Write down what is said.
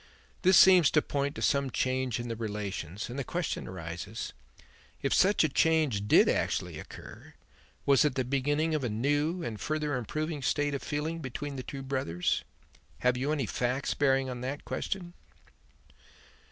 This seems to point to some change in the relations, and the question arises: if such a change did actually occur, was it the beginning of a new and further improving state of feeling between the two brothers? Have you any facts bearing on that question?"